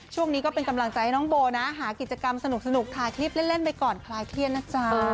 ช่วงนี้ก็เป็นกำลังใจให้น้องโบนะหากิจกรรมสนุกถ่ายคลิปเล่นไปก่อนคลายเครียดนะจ๊ะ